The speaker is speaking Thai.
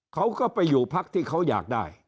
เขาก็ไปอยู่พักที่เขาอยากได้